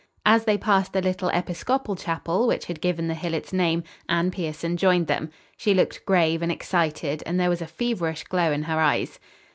As they passed the little Episcopal Chapel, which had given the hill its name, Anne Pierson joined them. She looked grave and excited, and there was a feverish glow in her eyes.